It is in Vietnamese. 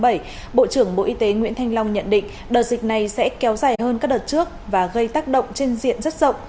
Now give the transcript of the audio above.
bộ trưởng bộ y tế nguyễn thanh long nhận định đợt dịch này sẽ kéo dài hơn các đợt trước và gây tác động trên diện rất rộng